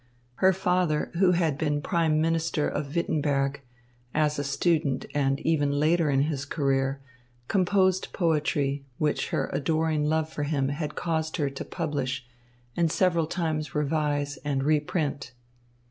Her father, who had been prime minister of Wittenberg, as a student and even later in his career, composed poetry, which her adoring love for him had caused her to publish and several times revise and reprint.